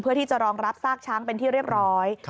เพื่อที่จะรองรับซากช้างเป็นที่เรียบร้อย